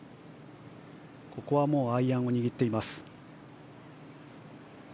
ここはもうアイアンを握っています。